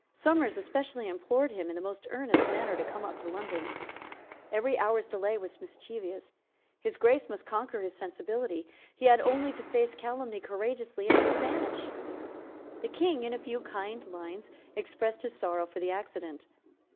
Somers, especially, implored him in the most earnest manner to come up to London. Every hour's delay was mischievous. His Grace must conquer his sensibility. He had only to face calumny courageously, and it would vanish. The King, in a few kind lines, expressed his sorrow for the accident.